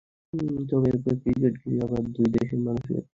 তবে এবার ক্রিকেট ঘিরে আবার দুই দেশের মানুষ একে অন্যের কাছাকাছি আসছে।